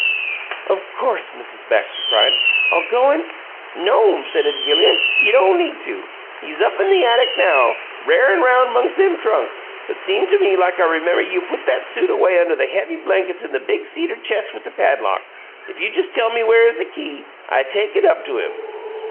"Of course!" Mrs. Baxter cried. "I'll go and " "No'm," said Adelia. "You don' need to. He's up in the attic now, r'arin' roun' 'mongs' them trunks, but seem to me like I remember you put that suit away under the heavy blankets in that big cedar ches' with the padlock. If you jes' tell me where is the key, I take it up to him."